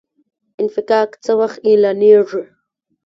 انفکاک څه وخت اعلانیږي؟